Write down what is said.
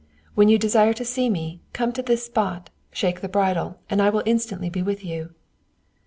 When you desire to see me, come to this spot, shake the bridle, and I will instantly be with you."